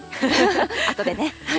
あとでね。